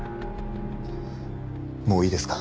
もういいですか？